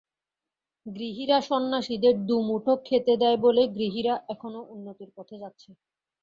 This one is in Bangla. গৃহীরা সন্ন্যাসীদের দুমুঠো খেতে দেয় বলে গৃহীরা এখনও উন্নতির পথে যাচ্ছে।